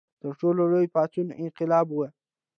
تر ټولو لوی پاڅون انقلاب و.